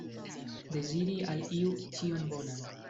Deziri al iu ĉion bonan.